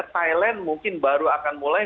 thailand mungkin baru akan mulai